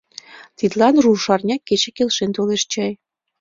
— Тидлан рушарня кече келшен толеш чай.